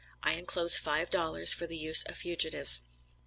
I enclose five dollars for the use of fugitives.